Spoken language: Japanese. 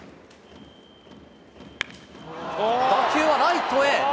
打球はライトへ。